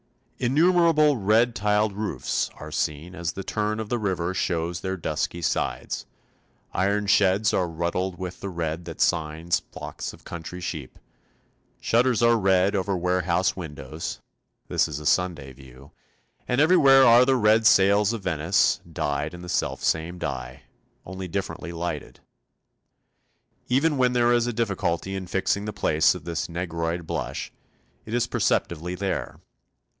Innumerable red tiled roofs are seen as the turn of the river shows their dusky sides; iron sheds are ruddled with the red that signs flocks of country sheep; shutters are red over warehouse windows (this is a Sunday view), and everywhere are the red sails of Venice, dyed in the selfsame dye, only differently lighted. Even when there is a difficulty in fixing the place of this negroid blush, it is perceptibly there.